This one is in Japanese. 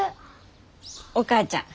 お母ちゃん